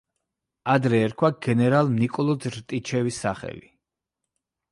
ადრე ერქვა გენერალ ნიკოლოზ რტიშჩევის სახელი.